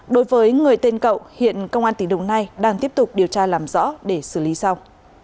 đối với người tên cậu hiện công an tỉnh đồng nai đang tiếp tục điều tra làm rõ để xử lý sau